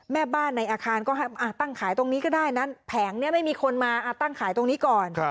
แม่บ้านในอาคารก็ตั้งขายตรงนี้ก็ได้นั้นแผงนี้ไม่มีคนมาตั้งขายตรงนี้ก่อน